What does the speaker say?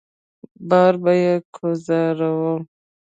بار به يې کوزاوه.